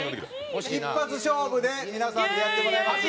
一発勝負で皆さんでやってもらいますので。